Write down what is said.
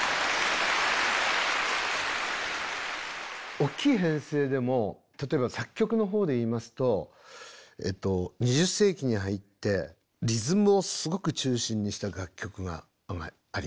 大きい編成でも例えば作曲のほうでいいますと２０世紀に入ってリズムをすごく中心にした楽曲があります。